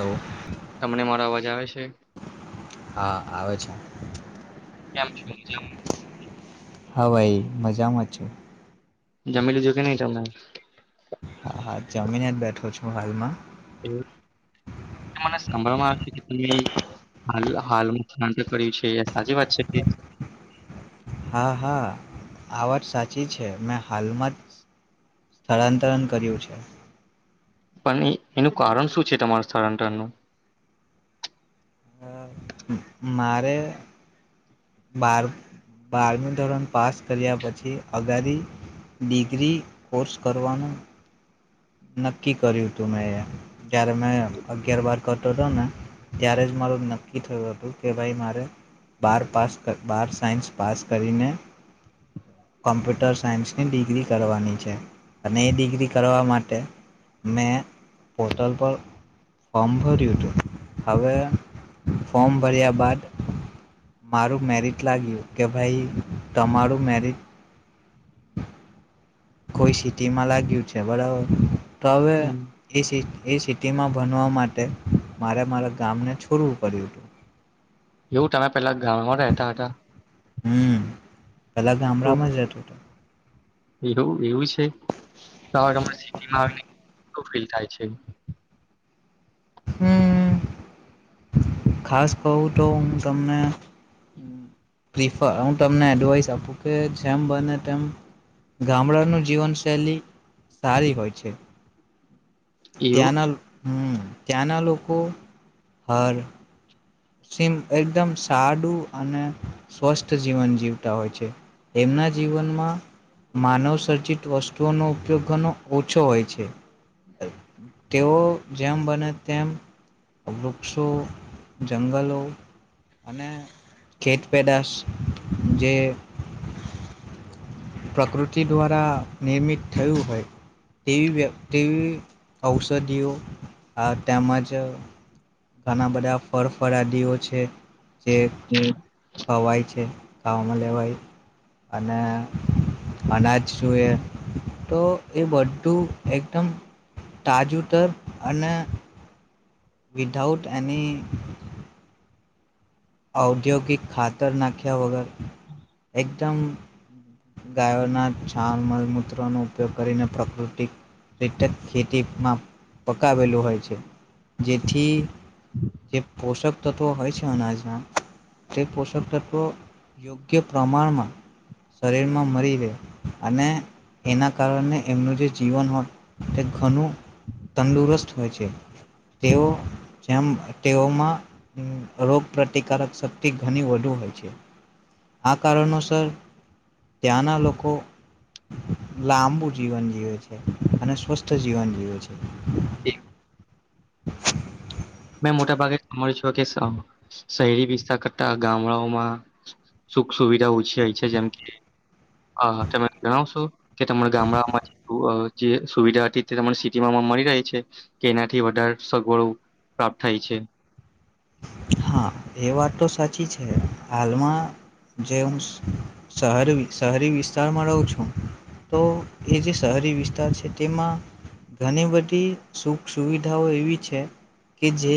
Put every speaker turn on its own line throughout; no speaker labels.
Hello
તમને મારો અવાજ આવે છે.
હા આવે છે
કેમ છો મજામાં છો.
હા ભાઈ મજામાં છુ.
જમીલીધુ કેની તમે
હા હા જમીને જ બેઠો છું હાલમાં
કે મને સાભળવામાં આવે છે કે તમે હાલ હાલમાં સાન તક કરી છે એ સાચી વાત છે કે
હા હા આ વાત સાચી છે મેં હાલમાં જ સ્થળાંતરણ કર્યું છે.
પણ એનું કારણ શું છે તમાર સ્થળાંતરનું.
મારે. બાર બારમી ધોરણ પાસ કર્યા પછી અગારી ડિગ્રી કોર્સ કરવાનું. નક્કી કર્યું હતું મેં એ જય્યારે મેં અગિયાર બાર કરતો હતો ને ત્યારે જ મારું નક્કી થયું હતું કે ભાઈ મારે બાર પાસ બાર સાયન્સ પાસ કરીને કોમ્પ્યુટર સાયન્સની ડિગ્રી કરવાની છે અને એ ડિગ્રી કરવા માટે મેં પોર્ટલ પર ફોર્મ ભર્યું હતું હવે ફોર્મ ભર્યા બાદ મારું મેરિટ લાગ્યું કે ભાઈ તમારું મેરિટ કોઈ સિટીમાં લાગ્યું છે બરાબર તો હવે
હમ
એ એ સિટીમાં ભણવા માટે મારે મારા ગામને છોડવું પડ્યું હતું.
એવું તમે પેલા ગવ માં રહેતા હતા.
હમ પેલા
તો
ગામડામાં જ રેતો હતો.
એવું એવું છે તો તમને સિટીમાં આવીને કેવું ફિલ થાય છે.
હમ હ. ખાસ કહું તો હું તમને પ્રિફર હું તમને એડવાઈસ આપું કે જેમ બને તેમ ગામડાનું જીવનશૈલી સારી હોય છે.
એવું
ત્યાંના. હમ્મ ત્યા ના લોકો હર સીમ એકદમ સાદું અને સ્વસ્થ જીવન જીવતા હોય છે. એમના જીવનમાં માનવ સર્જિત વસ્તુઓનો ઉપયોગ ઘણુ ઓછો હોય છે તેઓ જેમ બને તેમ વૃક્ષો જંગલો અને ખેત પેદાશ જે પ્રકૃતિ દ્વારા નિર્મિત થયું હોય તેવી વ્ય તેવી ઔષધિઓ તેમજ ઘણા બધા ફરફરાદીઓ છે. જે
હમ.
ખવાય છે. ખાવામાં લેવાય અને અનાજ જોઈએ તો એ બધું એકદમ તાજુંતર અને વિધઆઉટ એની ઔદ્યોગિક ખાતર નાખ્યા વગર એકદમ ગાયોના છાલ મલમૂત્રનો ઉપયોગ કરીને પ્રાકૃતિક રીતે ખેતીમાં પકાવેલું હોય છે જેથી જે પોષક તત્વો હોય છે અનાજના તે પોશક તત્વ યોગ્ય પ્રમાણમાં. શરીરમાં મરી રહે અને એના કારણે એમનું જે જીવન હોત તે ઘણું તંદુરસ્ત હોય છે તેઓ જેમ તેઓમાં રોગ પ્રતિકારક શક્તિ ઘણી વધુ હોય છે આ કારણોસર ત્યાંના લોકો લાંબુ જીવન જીવે છે અને સ્વસ્થ જીવન જીવે છે.
મોટા ભાગે સાભી છ કે શહેરી વિસ્તાર કરતા ગામડાઓમાં સુખ સુવિધા ઓછી હોય છે જેમ કે તમે જણાવશો કે તમારા ગામડાઓમાં જે સુવિધા હતી તે ત સિટીમાં મળી રહે છે કે એનાથી વધારે સગવડો પ્રાપ્ત થાય છે.
હા એ વાત તો સાચી છે હાલમાં જે હું શર શહેરી વિસ્તારમાં રહું છું તો એ જે શહેરી વિસ્તાર છે તેમાં ઘણી બધી સુખ સુવિધાઓ એવી છે કે જે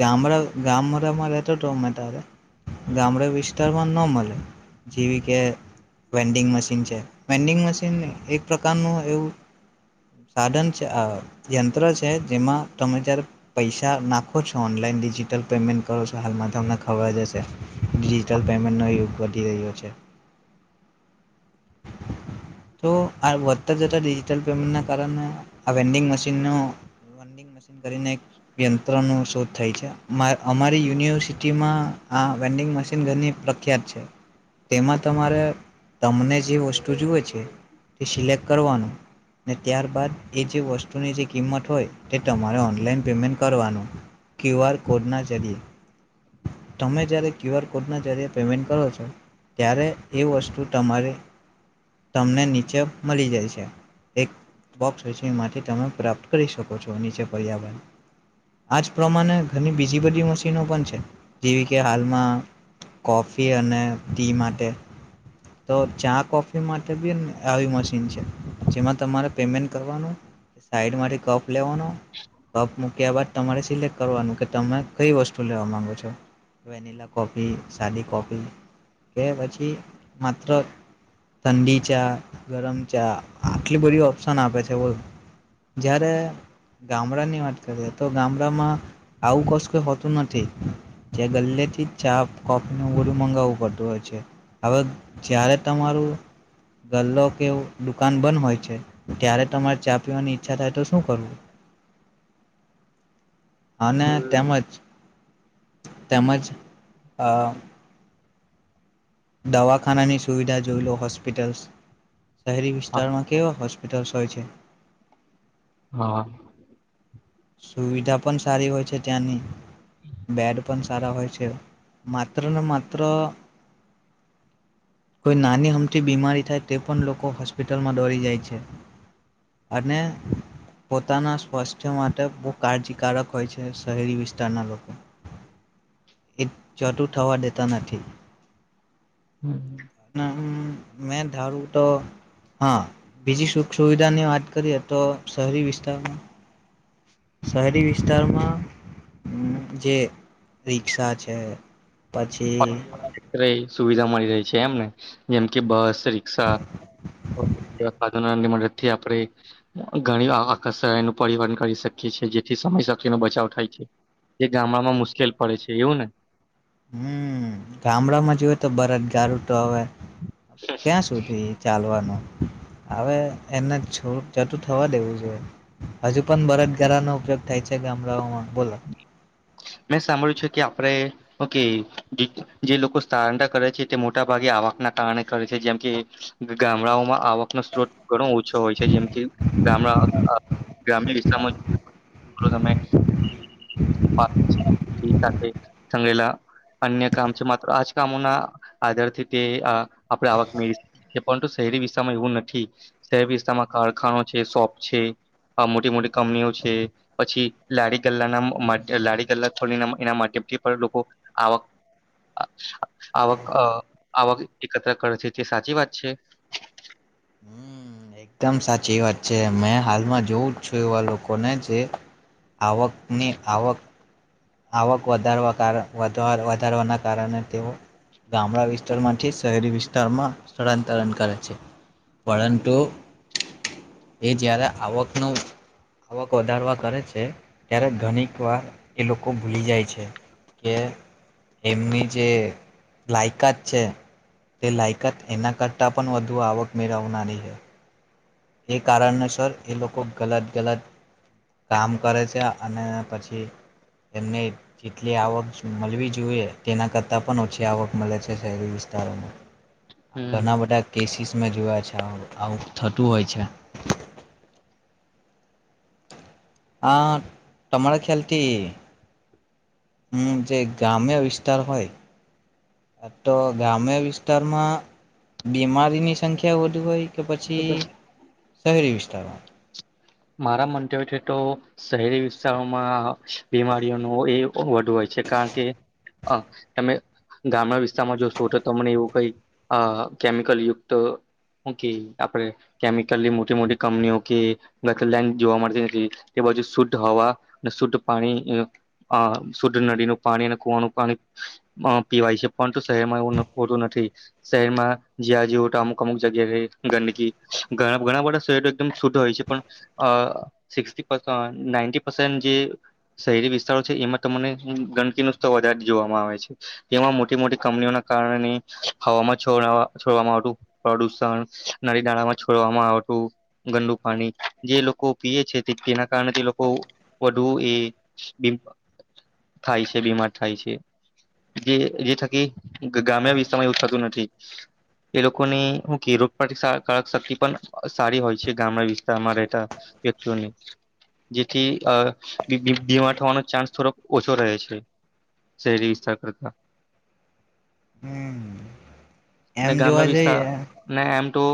ગામડા ગામડામાં રહેતો હતો અમે ત્યારે ગામડા વિસ્તારમાં ન મળે જેવી કે વેન્ડિંગ મશીન છે વેન્ડિંગ મશીન એક પ્રકારનું એવું સાધન છે યંત્ર છે જેમાં તમે જ્યારે પૈસા નાખો છો ઓનલાઈન ડિજિટ ટલ પેમેન્ટ કરો છો હાલમાં તો તમને ખબર જ હશે ડિજિટલ પેમેન્ટનો યુગ વધી રહ્યો છે. તો આ વધતા જતા ડિજિટલ પેમેન્ટના કારણે આ વેન્ડિંગ મશીનનો વડંગ મશન કરીને એક યંત્રનો શોધ થાય છે અમારી યુનિવર્સિટીમાં આ વેન્ડિંગ મશીન ઘની પ્રખ્યાત છે તેમાં તમારે તમને જ જે વસ્તુ જુએ છે તે સિલેક્ટ કરવાનું ને ત્યારબાદ એ જે વસ્તુની જે કિંમત હોય તે તમારે ઓનલાઈન પેમેન્ટ કરવાનું ક્યુ આર કોડના જરીએ તમે જ્યારે ક્યુ આર કોડના જરીએ પેમેન્ટ કરો છો ત્યારે એ વસ્તુ તમારે તમને નીચે મળી જાય છે એક બોક્સ હોય છે એમાંથી તમે પ્રાપ્ત કરી શકો છો નીચે પર્યાવરણ આજ પ્રમાણે ઘની બીજી બધી મશીનો પણ છે જેવી કે હાલમાં કોફી અને ટી માટે તો ચાક કોફી માટે બી આવી મશીન છે જેમાં તમારે પેમેન્ટ કરવાનું સાઈડ માટેથી કપ લેવાનો કપ મૂકયા બાદતમારે સિલેક્ટ કરવાનું કે તમે કઈ વસ્તુ લેવા માગો છો વેનિલા કોફી સાદી કોફી કે પછી માત્ર. ઠંડી ચા ગરમ ચા આટલી બધી ઓપ્શન આપે છે જ્યારે ગામડાની વાત કરીએ તો ગામડામાં આવું કશુ કઈ હોતું નથી જે ગલ્લેથી જ ચા કોફીનું બધું મંગાવવું પડતું હોય છે હવે જ્યારે તમારું ગલ્લો કે દુકાન બંધ હોય છે ત્યારે તમારે ચા પીવાની ઈચ્છા થાય તો શું કરવું અને
હમ્મ.
તેમજ તેમજ અ દવાખાનાની સુવિધા જોઈ લો હોસ્પિટલસ શહેરી
હા
વિસ્તારમાં કેવા હોસ પિટલ્સ હોય છે.
હા
સુવિધા પન સારી હોય છે ત્યાંની બેડ પણ સ સારા હોય છે માત્ર ને માત્ર કોઈ નાની હમથી બીમારી થાય તે પણ લોકો હોસ્પિટલમાં દોડી જાય છે અને પોતાના સ્વાસ્થ્ય મા ટ બો કાળજીકારારક હોય છે શહેરી વિસ્તારના લોકો એ જતું થવા દેતા નથી
હમ્મ
ન હમ મેં ધારું તો હા બીજી સુખ સુવિધાની વાત કરીએ તો શહેરી વિસ્તાર શહેરી વિસ્તારમાં જે રિક્ષા છે. પછી
[unintelligible] રેય સુવિધા મળી રહી છે એમને જેમ કે બસ રિક્ષા સાધન ની મદદથી આપણે ઘણી આ કર્ષનું પરિવહન કરી શકીએ છે એ જેથી સમય સખીનો બચાવ થાય છે જે ગામડામાં મુશ્કેલ પડે છે એવું ને
હમ ગામડા માં જો હો તો બરદ ગારું તો હવે ક્યાં સુધી ચાલવાનું હવે એને છ જતું થવા દેવું જોઈએ હજુ પણ બરદગારાનો ઉપયોગ થાય છે ગામડાઓમાં બોલો
મેં સાંભળ્યું છે કે આપણે કે હુકે જે લોકો સ્થાળાન્તર કરે છે તે મોટા ભાગે આવક ના કારણે કરે છે જેમ કે ગામડાઓમાં આવક નો સ્ત્રોત ઘણો ઓછો હોય છે જેમ કે ગામડા અ ગ્રામ્ય વિસ્તારમાં ર તમે આ એ [unintelligible] અન્ય કામ છે માત્ર આજ કામોના આધારથી તે આ આપણે આવક મેળવી શકી છીએ પરંતુ શહેરી વિસ્તારમાં એવું નથી શહેરી વિસ્તારમાં કારખાનો છે શોપ છે અ મોટી મોટી કંપનીઓ છે પછી લાડી ગલ્લાના લારી [unintelligible] થોડી એના માધ્યમથી પણ લોકો આવક આવક અ આવક એકત્ર કરે છે તે સાચી વાત છે.
હમ એકદમ સાચી વાત છે મેં હાલમાં જોઉ છું એવા લોકોને જે આવકની આવક આવક વધારવા કારણ વધાર વધારવાના કારણે તેઓ ગામડા વિસ્તારમાંથી શહેરી વિસ્તારમાં સ્થળાંતરણ કરે છે પરંતુ એ જ્યારે આવકનું આવક વધારવા કરે છે ત્યારે ઘણીક વાર એ લો કો ભૂલી જાય છે કે એમની જે લાયકાત છે તે લાયકાત એના કરતાં પણ વધુ આવક મેળવનારી હે એ કારણસર એ લોકો ગલત ગલત કામ કરે છે અને પછી એમને જેટલી આવક મલવી જોઈએ તેના કરતાં પણ ઓછી આવક મલે છે શહેરી વિસ્તારોમાં
હમ
ઘણા બધા કેસિસ મે જોયા છે આ આ થત તુ હોય છે. આ તમારા ખ્યાલથી હમ જે ગ્રામ્ય વિસ્તાર હોય તો ગ્રામ્ય વિસ્તારમાં બીમારીની સંખ્યા વધુ હોય કે પછી શહેરી વિસ્તારમાં
મારા મંતવ્યતી તો શહેરી વિસ્તારોમાં બીમારીઓ નુ એ વધુ હોય છે કારણ કે અ તમે ગામ્ય વિસ્તારમાં જોશો તો તમને એવું કઈ અ કેમિકલ યુક્ત હુ કેય આપણે કેમિકલની મોટી મોટી કંપનીઓ કે [unintelligible] જોવા મળતી નથી તે બાજુ શુદ્ધ હવા અને શુદ્ધ પાણી શુદ્ધ નદીનું પાણી અને કુવાનું પાણી પણ પીવાય છે પરંત શહેરમાં એવું હોતું નથી શહેરમાં જ્યાં જે હો અમુક અમુક જગ્યા ગંદકી ઘણા બધા શહેરો એકદમ શુદ્ધ હોય છે પણ સિક નાઈી પસન્ટ જે શહેરી વિસ્તારો છે એમાં તમને ગંદકીનું સ્તર વધારે જોવામાં આવે છે એમાં મોટી મોટી કમનીઓના કારણે હવામાં છ છોડવામાં આવતું પ્રદુષણ નળ નાળામાં છોડવામાં આવતું ગંદુ પાણી જે લોકો પી છે તેના કારણે તે લોકો વધુ એ થાય છે બીમાર થાય છે જે થકી ગામ વિસ્તારમાં એવું થતું નથી એ લોકોને શું કે રોગક શક્તિ પણ સારી હોય છે ગામ વિસ્ રહેતા વ્યક્તિને જેથી બીમા થવાનો ચાન્સ થોડોક ઓછો રહે છે શરીરી વિસ્તાર કરતા
હમ
ને
એમ
ગામ્ય
જોવા
વિસ્તાર
જઈએ
ને એમ તો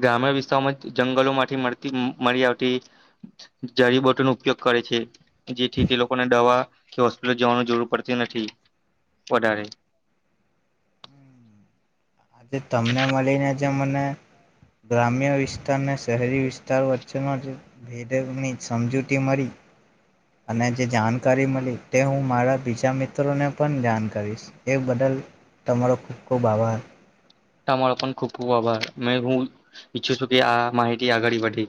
ગ્રામ્યણ વિસ્તારોમાં જંગલો માંથી મળતી મળી આવતી જરીબોટો ન ઉપયોગ કરે છે જેથી તે લોકોને દવા કે હોસ્પિટલ જવાની જરૂર પડતી નથી વધારે
આજે તમને મળીને જે મને ગ્રામ્ય વિસ્તાર અને શહેરી વિસ્તાર વચ્ચે વ્ચનો જે ભેદની સમજૂતી મળી અને જે જાણકારી મળી તે હું મારા બીજા મિત્રોને પણ જાણ કરીશ એ બદલ તમારો ખૂબ ખૂબ આભાર
તમારા પણ ખૂબ ખૂબ આભાર મે હું ઈચ્છું છું કે આ માહિતી આગળ વધે